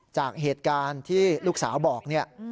จากเหตุการณ์ที่ลูกสาวบอก